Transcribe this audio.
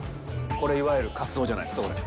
これ、いわゆるカツオじゃないですか、これ。